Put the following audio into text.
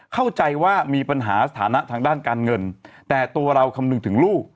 เข้าใจว่ามีปัญหาสถานะทางด้านการเงินแต่ตัวเราคำนึงถึงลูก